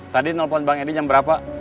tadi nelpon bang edi jam berapa